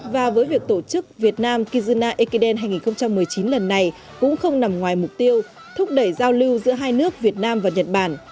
và với việc tổ chức việt nam kizuna ekiden hai nghìn một mươi chín lần này cũng không nằm ngoài mục tiêu thúc đẩy giao lưu giữa hai nước việt nam và nhật bản